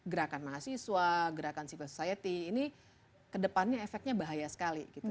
gerakan mahasiswa gerakan civil society ini kedepannya efeknya bahaya sekali gitu